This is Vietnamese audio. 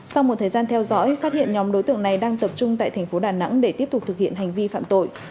sau một thời gian theo dõi phát hiện nhóm đối tượng này đang tập trung tại thành phố đà nẵng để tiếp tục thực hiện hành vi phạm tội